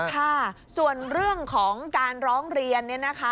ค่ะส่วนเรื่องของการร้องเรียน